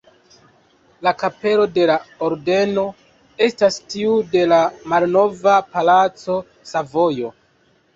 La kapelo de la Ordeno estas tiu de la malnova palaco Savojo.